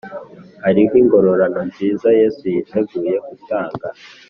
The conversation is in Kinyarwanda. harihw ingororano nziza yesu yiteguye gutanga :